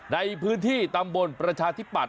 ในพื้นที่ตำบลประชาธิปัตย